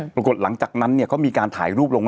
หลังจากนั้นก็มีการถ่ายรูปลง